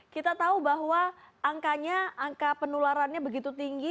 kita tahu bahwa angka penularannya begitu tinggi